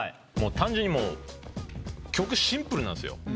単純に曲シンプルなんですよ。